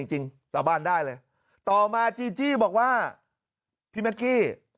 จริงต่อบ้านได้เลยต่อมาจีบอกว่าพี่แม็กกี้